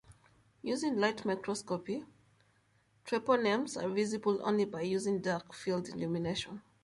Using light microscopy, treponemes are visible only by using dark field illumination.